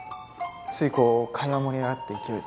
ついこう会話盛り上がった勢いで。